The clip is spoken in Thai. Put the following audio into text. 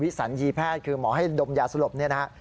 สัญญีแพทย์คือหมอให้ดมยาสลบเนี่ยนะฮะ